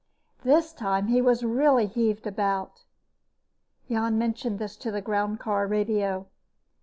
This time he was really heaved about. Jan mentioned this to the groundcar radio.